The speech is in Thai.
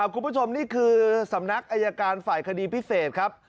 คุณผู้ชมนี่คือสำนักอายการฝ่ายคดีพิเศษครับ